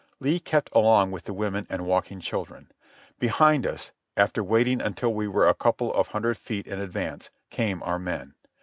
Lee kept along with the women and walking children. Behind us, after waiting until we were a couple of hundred feet in advance, came our men.